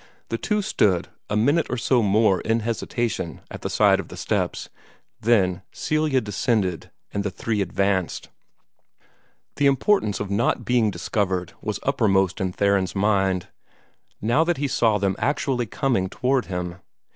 The two stood a minute or so more in hesitation at the side of the steps. Then Celia descended, and the three advanced. The importance of not being discovered was uppermost in Theron's mind, now that he saw them actually coming toward him.